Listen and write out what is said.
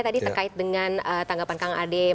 tadi terkait dengan tanggapan kang ade